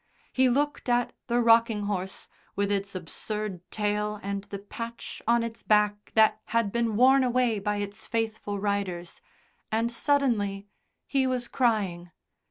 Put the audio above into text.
He looked at the rocking horse with its absurd tail and the patch on its back, that had been worn away by its faithful riders, and suddenly he was crying.